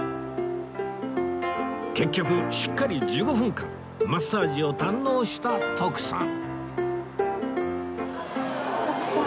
結局しっかり１５分間マッサージを堪能した徳さん